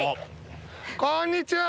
こんにちは！